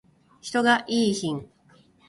人がいーひん